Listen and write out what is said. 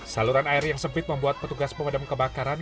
saluran air yang sempit membuat petugas pemadam kebakaran